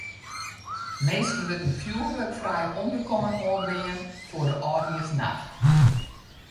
Minsken wurdt in fjoerwurkfrij ûnderkommen oanbean foar de âldjiersnacht.